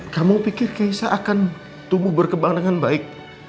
kamu pikir kaisa akan tumbuh berkembang dengan baik